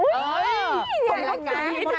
อุ้ยแหละนะ